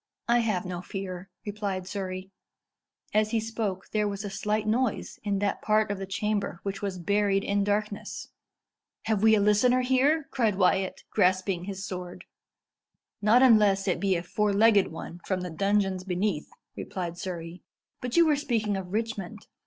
"I have no fear," replied Surrey. As he spoke, there was a slight noise in that part of the chamber which was buried in darkness. "Have we a listener here?" cried Wyat, grasping his sword. "Not unless it be a four legged one from the dungeons beneath," replied Surrey. "But you were speaking of Richmond.